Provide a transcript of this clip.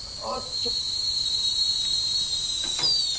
ちょっと！